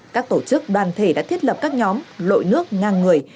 các tổ chức đoàn thể đã thiết lập các nhóm lội nước ngang người